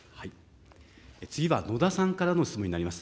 次は野田さんからの質問になります。